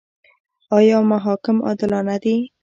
آیا محاکم عادلانه دي؟